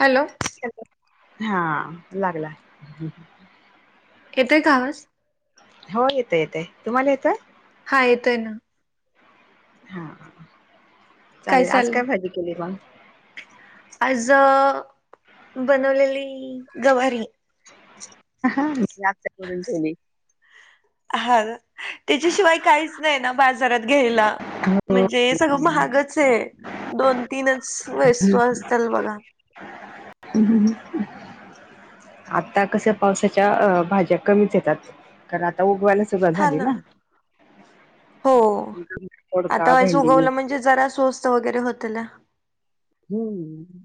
Hello. हा लागला. येतोय का आवाज? हो येतं येते तुम्हाला येतं. हा येतोय. हा चालेल आज काय भाजी केली मंग? आज बनवलेली गवारी. लाकडं तोडून ठेवली. हा त्याच्याशिवाय काहीच नाही ना बाजारात घ्यायला. म्हणजे सगळं महागच आहे दोन तीनच वेस्तू असतीलल बघा. हम्म हम. आता कस्या पावसाच्या भाज्या कमीच येतात कारण आता उगवायला.. [unintelligible] झाली ना हो दोडका आता वयस भेंडी उगवलं म्हणजे जरा स्वस्त वगैरे होत ना. हम्म.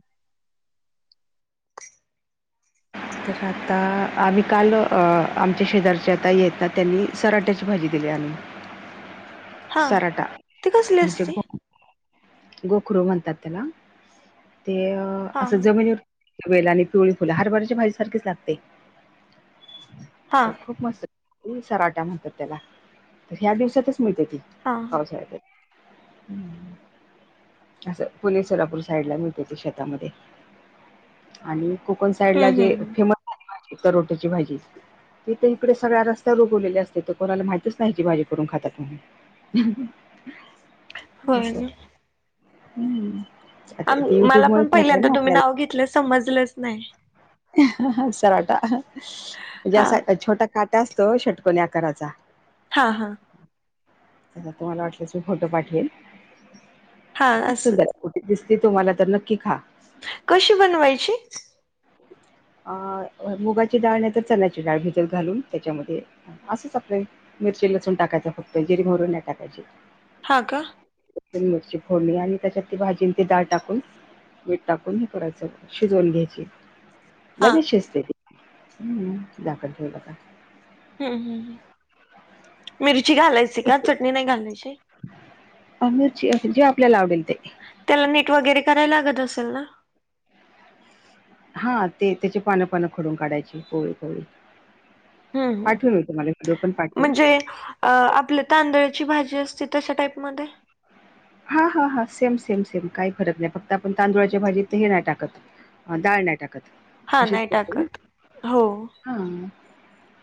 तर आता आम्ही काल आमच्या शेजारचे आता येतात त्यांनी... सराट्याची भाजी दिली आम्ही हा सराटा ती कसली म्हणजे... असती गोखरू म्हणतात त्याला ते हा असं हा जमिनीवर... वेल आणि पिवळी फुलं हरभराची भाजी सारखीच लागते. हा तर खूप मस्त सराटा म्हणतात त्याला तर ह्या दिवसातच मिळते ती. हा. पावसाळा [unintelligible] असं पुणे सोलापूर साईडला मिळते ते शेतामध्ये आणि... कोकण साईड हम्म ला हम्म जे हम्म. फेमस रोट्याची भाजी... तिथे इकडे सगळ्या रस्त्यावर उगवलेले असते तर कोणाला माहीतच नाही की भाजी करून खातात म्हणून... होय ना [unintelligible] आता आ ते युट्यूब मला मुळे पण कळतंय पहिल्यांदा ना तुम्ही नाव आपल्याला घेतलं समजलंच नाही. सराटा म्हणजे हा असा छोटा काटा असतो षटकोणी आकाराचा. हां हा. च तुम्हाला वाटलं ती फोटो पाठल हा खूप असं सुंदर.. कुठे दिसते तुम्हाला तर नक्की खा. कशी बनवायची? अ मुगाची डाळ नाही तर चण्याची डाळ भिजत घालून त्याच्यामध्ये. असंच आपल्या मिरची लसूण टाकायच फक्त जिरी पावडर नाही टाकायची. हा का. मिरची फोडली आणि त्याच्या भाजीं ते डाळ टाकून... मीठ टाकून हे करायचं शिजवून घ्यायची. हा. लगेच शिजते ती झाकण ठेवल का. हम्म हम्म मिरची घालायची का चटणी नाही घालायची. अरची जे आपल्याला आवडेल ते त्याला नीट वगैरे करायला लागत असेल ना. हा ते त्याची पानं पानं खडून काढायची कोळी कोळी. हम्म हम्म. पाठवेल मी तुम्हाला व्हिडिओ पण पाठवेल. म्हणजे अ आपल्या तांदळाची भाजी असती तशा टाईपमध्ये. हा हा हा सेम सेम सेम काही फरक नाही फक्त आपण तांदुळाच्या भाजीत हे नाही टाकत दाळ नाही टाकत हा अशीच नाही [unintelligible] ना. टाकत. हो. हा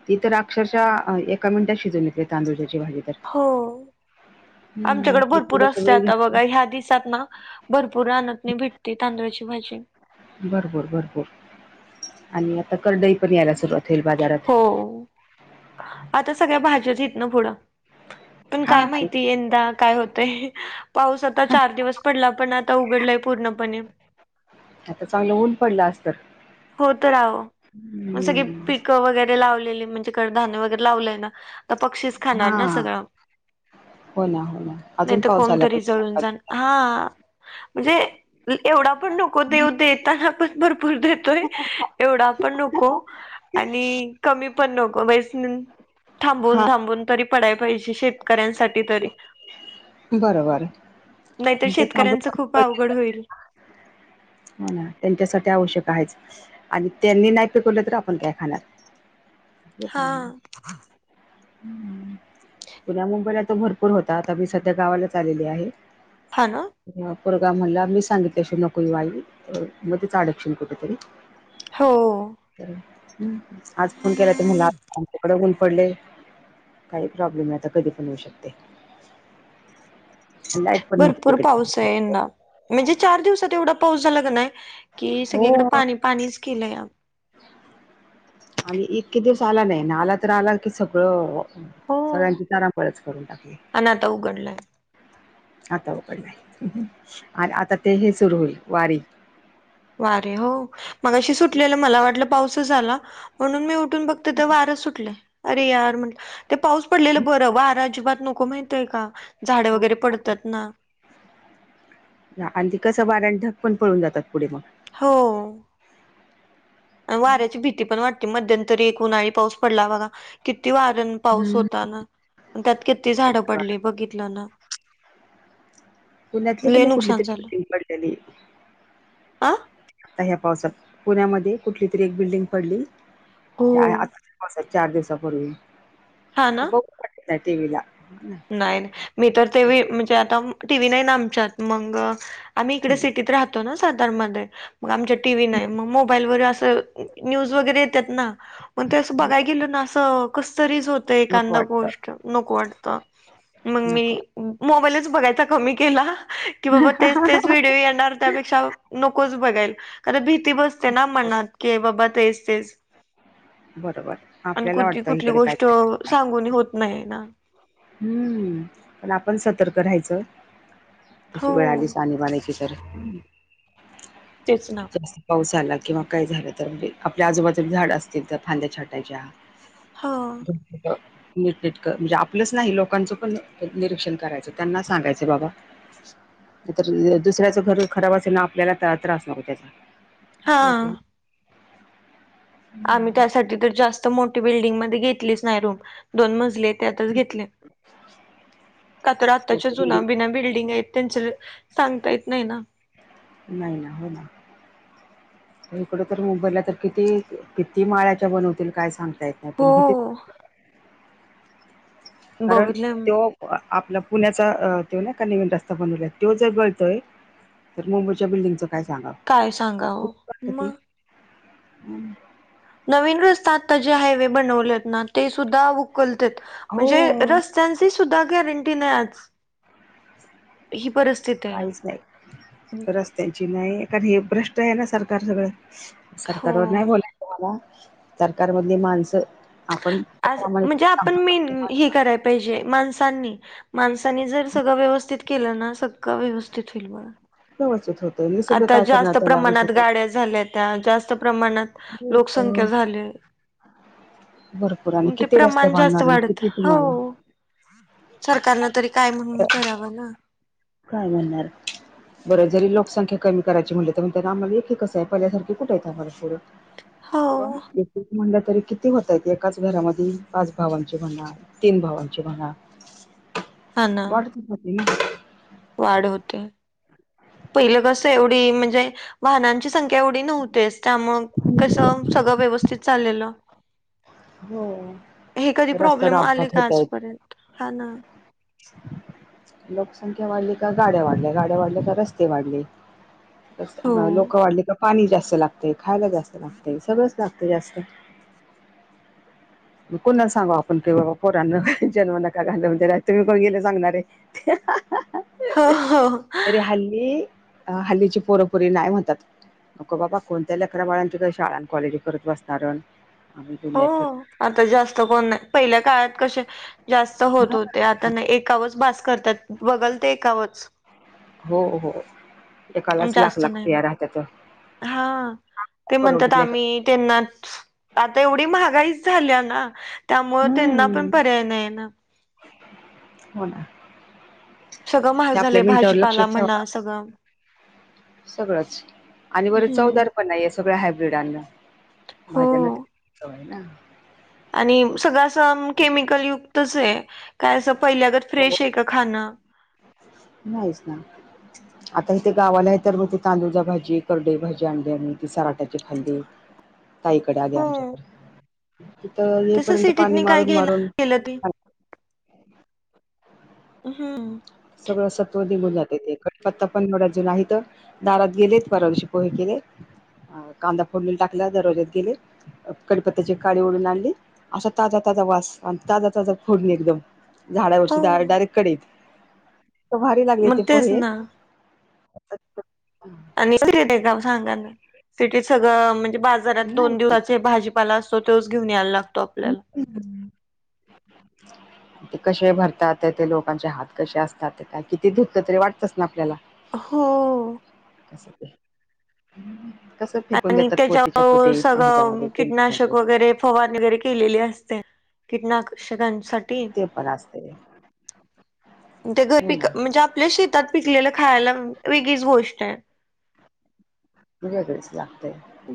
ती तर अक्षरशः एका मिनिटात शिजवून येते तांदुळची भाजी तर. हो हम्म. आमच्याकडे ते भरपूर थोडस अस वेळ आता घेते. बघा ह्या दिसात ना भरपूर राहनत नाही भेटते तांदळाची भाजी भरपूर भरपूर आणि आता कडई पण यायला सुरुवात होईल बाजारात. हो आता सगळ्या भाज्याच इथं ना पूढ. पण हा काय हा. माहिती यंदा काय होतय पाऊसात आता चार दिवस पडला पण आता उघडलाय पूर्णपणे. आता चांगलं ऊन पडला अस तर हो तर राव म सगळे हम्म. पिकं वगैरे लावलेली म्हणजे कडधान्य वगैरे लावलंय ना आता पक्षीच खाणार ना हां. सगळं हो ना, हो ना. नाही अजून तर पाऊस आला कोणतरी च पाहिजे जळून जाण दिवसात. हा. म्हणजे एवढा पण नको देऊ देताना पण भरपूर देत एवढा पण नको आणि कमी पण नको थांबून हां, थांबून तरी पडाय पाहिजे शेतकऱ्यांसाठी तरी बरोबर. नाहीतर ते थांबून शेतकऱ्यांच थांबून खूप अवघड पडलेलंच होईल. हो ना त्यांच्यासाठी आवश्यक आहेच. आणि त्यांनी नाही पिकवलं तर आपण काय खाणार. ते हा. पण आहे. पुण्या मुंबईला तर भरपूर होता आता मी सध्या गावालाच आलेली आहे. हा ना. जेव्हा पोरगा म्हणला मी सांगितल्या शिवाय नको येऊ आई अ मध्येच अडकशीन कुठेतरी. हो. तर आज फोन केला तर मुला आच्याकडे ऊन पडले. काही प्रॉब्लेम नाही आता कधी पण येऊ शकते. आणि लाईट पण नव्हती भरपूर तिकडे पाऊस आहे येन्ना. म्हणजे चार दिवसात एवढा पाऊस झाला नाही की सगळीकडे हो. पाणी पाणीच केलंय. आणि इतके दिवस आला नाही ना आला तर आला की सगळं हो सगळ्यांची चारांपच करून टाकली. आणि आता उघडलंय आता उघडलय आणि आता ते हे सुरू होईल वारी वारे हो मगशी सुटलेलं मला वाटलं पाऊस झाला म्हणून मी उ ढुन बघते तर वारा सुटलाय. अरे यार म्हंटलं ते पाऊस पडलेलं बरं ब अार अजिबात नको माहितय का झाड वगैरे पडतात ना. आणि ते कसं वाऱ्याने ढग पण पळून जातात पुढे मग. हो. वाऱ्याची भीती पण वाटते मध्यंतरी एक उन्हाळी पाऊस पडला बघा किती वार न पाऊस हम्म. होता ना त्यात किती झाडं पडली बघितलं ना. पुण्यातली लय पण कुठली नुकसान झालं तरीग पडलेली. आ आता ह्या पावसात पुण्यामध्ये कुठली तरी एक बिल्डिंग पडली काय हो आता हो चार दिवसापूर्वी हा ना बघु वाटत नाही टीव्हीला नाही मी तर त्यावेळी म्हणजे आता टी. व्ही नाही ना आमच्यात मग आम्ही इकडे सिटीत राहतो ना सातारमध्ये मग आमच्या टी. व्ही नाही मग मोबाईलवर असं न्यूज वगैरे येतात ना मग ते असं बघाय गेल ना कसतरीच होत तर नको एखादा वाटत गोष्ट नको वाटत मग मी नको म मोबाईलच बघायचा कमी केला की बाबा तेच तेच व्हिडिओ येणार. त्यापेक्षा नकोच बघायला कारण भीती बस ते ना मनात की बाबा तेच तेच. बरोबर आणि आपल्याला कुठली वाटतं कुठली इकडे काय गोष्ट सांगूनी होत नाही ना. हम्म पण आपण सतर्क राहायचं तशी हो वेळ आलीच आणी बानी ची तर तेच ना जास्त पाऊस झाला किंवा काही झालं तर म्हणजे आपल्या आजूबाजूला झाड असतील त्या फांद्या छाटाच्या हा [inaudible] नीटनीटक म्हणजे आपलंच नाही लोकांचं पण निरीक्षण करायचं त्यांना सांगायचं बाबा तर दुसऱ्याच घर उखडावयाच ना आपल्याला त्रास नको हा त्याचा आम्ही होतं त्यासाठी तर जास्त मोठी बिल्डिंगमध्ये घेतलीच नाही रूम दोन मजले आहेत त्यातच घेतलीय का तर आताच्या मोठी जुन्या बिल्डिंग बिन्या बिल्डिंग आहेत त्याच सांगता येत नाही ना नाही नाही हो ना इकडं तर मुंबईला तर किती किती माळ्याच्या बनवतील काय सांगता येत नाही ना हो कारण बघितलं त्यो आपला पुलाचा त्यो नाही का नवीन रस्ता बनवलाय त्योच एक गळतोय तर मुंबईच्या बिल्डंगचं काय सांगावं काय सांगावं मग हम्म नवीन रस्ता आता जो हायवे बनवलेत ना ते सुद्धा उकलत्यात हो म्हणजे रस स्ताचीसुद्धा गॅरंटी नाही आज ही परिस्थिती आहे काहीच नाही रस्त्यांची नाही कारण हे भ्रष्ट आहे ना सरकार सगळं सरकारवर नाही हो बोलायचं मला सरकार मधली माणसं आपण आज प्रामाणिक म्हणजे आपण सांगतो पण मेन ते हे माणसं करायला पाहिजे माणसांनी माणसांनी जर सगळं व्यवस्थित केलं ना सगळं व्यवस्थित होईल बघा व्यवस्थित होतय निसर्ग आता काय करणार जास्त त्याला प्रमाणात विचार गाड्या झाल्यात्या जास्त प्रमाणात लोकसंख्या झाल्या भरपूर आणि ते किती रस्ते प्रमाण जास्त बांधणार आणि वाढत किती हो तुम्हाला सरकारन तरी काय म्हणून करावं ना? काय म्हणणार बरं जरी लोकसंख्या कमी करायची म्हटल तर म्हणतील आम्हाला एक एकच आहे पहिल्यासारखे कुठ आहेत आम्हाला पोर हो एक म्हणलं तरी किती होतय एकाच घरामध्ये पाच भावांची म्हणा तीन भावांची म्हणा हा ना वाढतच जातील ना [inaudible] वाढ होते पहिलं कस एवढी म्हणजे वाहनांची संख्या एवढी नव्हतेच त्यामुळं कसं सगळं व्यवस्थित चाललेलं होय हे कधी प्रॉब्लेम आले का आजपर्यंत हा ना लोकसंख्या वाढली का गाड्या वाढल्या गाड्या वाढल्या का रस्ते वाढले हो लोक वाढली का पाणी जास्त लागतय खायला जास्त लागतय सगळंच लागतय जास्त कोणाला सांगाव आपून की बाबा पोरांना जन्म नका घाललू म्हणून तुम्ही काय केलं सांगणार हो आहे हो तरी हल्ली अ हल्लीची पोरपोरी नाही म्हणतात नक बाबा कोणत्या ल अकरामळ्यांची का शाळां कॉलेजी करत बसणार आम्ही तुम हो आता जास्त कोण नाही पहिल्या काळात कसे जास्त होत होते आता नाही एकावच बाास तात बघल ते ए कावच हो हो एकालाच लाख जास्त लाख पिया राहत्यात नाही हा ते म्हणतात परवडीत लेकरं आम्ही त्यांना आता एवढी महागाईच झाली ना त्यामुळं त्यांना पण पर्याय नाही ना? होना सगळ महाग झाले आहे भाजीपाला म्हणा सगळं सगळंच आणि बरच हम्म चवदार पण नाही आहे सगळ्या हायब्रीड अन्न हो माझ्यान तरी आहे ना आणि सगळं असं केमिकल युक्तच आहे काय असं पहिल्यागत हो फ्रेश आहे का खाणं नाहीच ना आताथ गावाला आहे तर मग ते तांदूळचा भाजी कंबरडं भाजी आणली आही ती सराट्याचे खाल्ले काईकडे आ हो आमच्या तर तिथ येपर्यंत पाणी मारून गेला मारून गेलं ती हा् सगळं सत्व देऊन जात ते पत्ता पण मडजन आहे तर दारात गेलेत पररागशी पोहे केले कांदा फोडले टाकला दरवाजात गेले कडपत्त्याची काडी ओढून आणली असा ताजा ताजा वास ताजा ताजा फोडणी एकदम झाडावरची डाळ हो डायरेक्ट कड ईत भारी लागली मग ते तेच पोहे ना अच्छा आणि का सांगा ना सीटीतट सगळं म्हणजे बाजारात दोन नाही दिवसाचे भाजी पाला असतो तेोच घेऊन यायला लागतो आपल्याला हम ते कसे भरतात ते ते लोकांचे हात कसे असतात काय किती धुतल तरी वाटतच ना आपल्याला हो त्या ते कस फेकून आणि देतात पोतीच्या त्याच्यावर पोती ह्याच्यामध्ये मध्ये फवार वगैरे केलेले असते कीटनाशकांसाठी पण ते असते ते घर हो पिक ना म्हणजे आपल्या शेतात पिकलेलं खायला वेगळीच गोष्ट आहे बुजय तुसला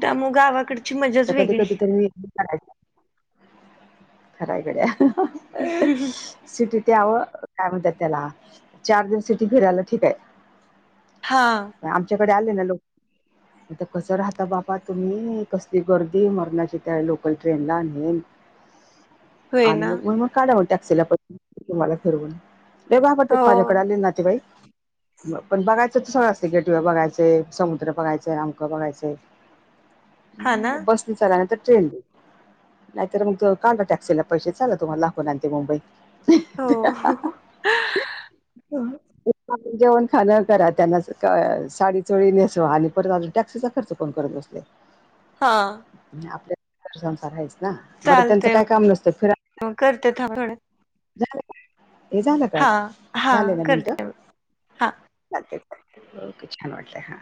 त्यामुळेग गावाकडची मजाच वेगळी खरा आहे गड्या सिटी ते यावं काय म्हणतात त्याला चार दिवस सिटी फिरायला ठीक आहे हा आमच्याकडे आले ना लोक आता कसं राहता बाबा तुम्ही कसली गर्दी मरणाची त्या लोकल ट्रेनला नेम होय आणि ना मग मग मग काढव टॅक्सीला पैसे तुम्हाला ठरवून ते वा परतेेत हो माझ्याकडे आले रे नातेवाईक पण बघायचं सगळासनी गेट वेल बघायचं समु कत्र बघायचंय अमकं बघायचय हा ना बसने पस्तीस हजारच ट्रेन नाहीतर मग त काढ टॅक्सीला पैसे चाल तुम्हाला लाखवून आणते मुंबईत हो. जेवण खाणं करा त्यांना साडी चोळी ने तो आणि परत अजून टॅक्सीचा खर्च कोण करत बसले हा आपल्या संसार आहेच ना बरं त्यांचं काय काम नसतं फि करतात पण झा हे झालं कर हां, झालं हां. ना मिनट करते. हां. के छान वाटलंय हा